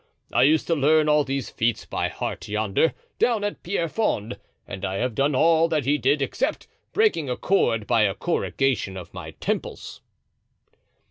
I used to learn all these feat by heart yonder, down at Pierrefonds, and I have done all that he did except breaking a cord by the corrugation of my temples."